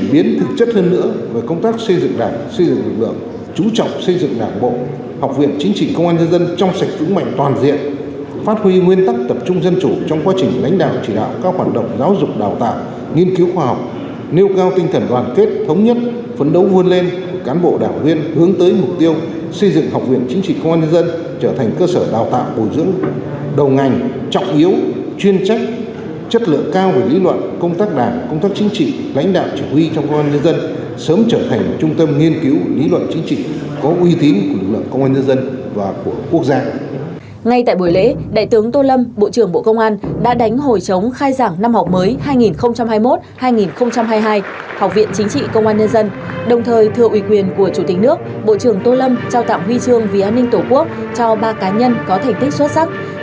bộ trưởng tô lâm đề nghị học viện chính trị công an nhân dân tập trung thực hiện tốt một số nhiệm vụ tập trung thực hiện tốt một số nhiệm vụ tập trung thực hiện tốt một số nhiệm vụ tập trung thực hiện tốt một số nhiệm vụ tập trung thực hiện tốt một số nhiệm vụ tập trung thực hiện tốt một số nhiệm vụ tập trung thực hiện tốt một số nhiệm vụ tập trung thực hiện tốt một số nhiệm vụ tập trung thực hiện tốt một số nhiệm vụ tập trung thực hiện tốt một số nhiệm vụ tập trung thực hiện tốt một số nhiệm vụ tập trung thực hiện tốt một số nhiệm vụ tập trung thực hiện tốt một số nhiệm